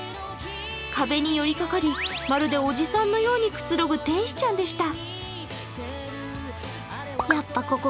壁により掛かりまるでおじさんのようにくつろぐ天使ちゃんでした。